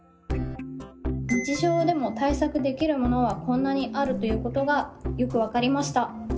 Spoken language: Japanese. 日常でも対策できるものはこんなにあるということがよく分かりました。